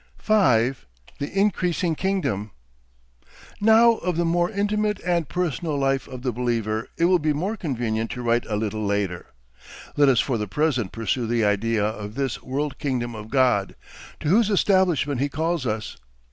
5. THE INCREASING KINGDOM Now of the more intimate and personal life of the believer it will be more convenient to write a little later. Let us for the present pursue the idea of this world kingdom of God, to whose establishment he calls us.